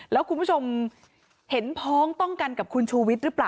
แล้วคุณผู้ชมเห็นพ้องต้องกันกับคุณชูวิทย์หรือเปล่า